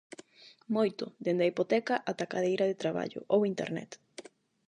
Moito, dende a hipoteca ata a cadeira de traballo; ou Internet.